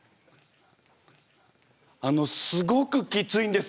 あのすごくきついんですけど。